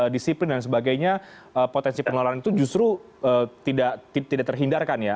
disiplin dan sebagainya potensi penularan itu justru tidak terhindarkan ya